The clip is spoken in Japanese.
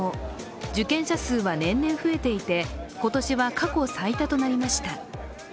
受験者数は年々増えていて、今年は過去最多となりました。